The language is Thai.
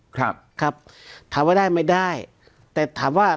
ครับครับถามว่าได้ไม่ได้แต่ถามว่า